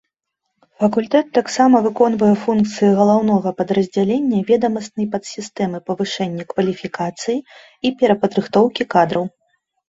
Факультэт таксама выконвае функцыі галаўнога падраздзялення ведамаснай падсістэмы павышэння кваліфікацыі і перападрыхтоўкі кадраў.